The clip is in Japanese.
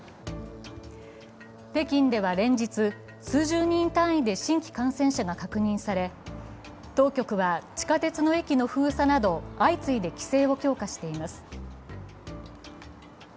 北京では連日、数十人単位で新規感染者が確認され当局は地下鉄の駅の封鎖など、相次いで規制を強化しています。